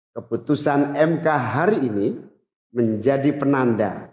keputusan mk hari ini menjadi penanda